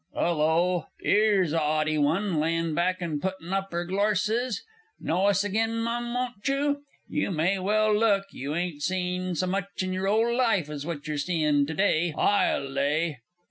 'Ullo, 'ere's a 'aughty one! layin' back and puttin' up 'er glorses! Know us agen, Mum, won't you? You may well look you ain't seen so much in yer ole life as what you're seein' to day, I'll lay!